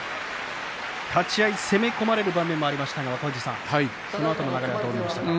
立ち合い攻め込まれる場面もありましたがそのあとの流れはどうでしたか？